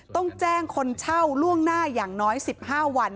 ต้องแจ้งคนเช่าล่วงหน้าอย่างน้อย๑๕วัน